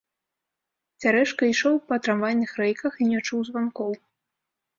Цярэшка ішоў па трамвайных рэйках і не чуў званкоў.